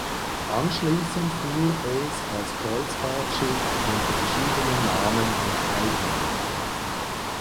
Anschließend fuhr es als Kreuzfahrtschiff unter verschiedenen Namen und Eignern.